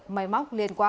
máy móc liên tục